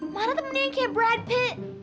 mana temennya yang kayak brad pitt